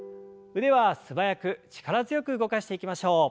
腕は素早く力強く動かしていきましょう。